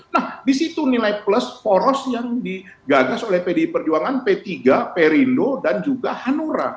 nah disitu nilai plus poros yang digagas oleh pdi perjuangan p tiga perindo dan juga hanura